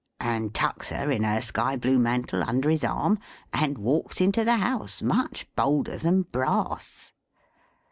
and tucks her, in her sky blue mantle, under his arm, and walks into the house much bolder than Brass.